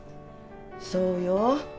そうよ